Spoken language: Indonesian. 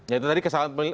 ya itu tadi kesalahan